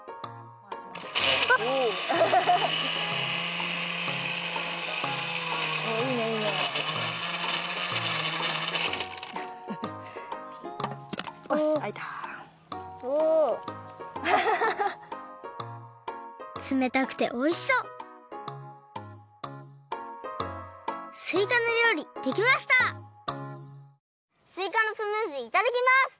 すいかのスムージーいただきます！